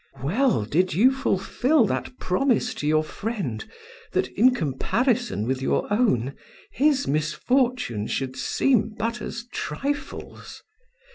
Well did you fulfill that promise to your friend, that, in comparison with your own, his misfortunes should seem but as trifles.